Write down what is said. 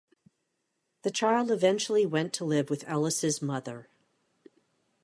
The child eventually went to live with Ellis's mother.